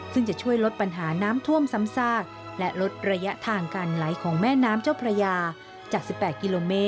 ซึ่งจะช่วยลดปัญหาน้ำท่วมซ้ำซาก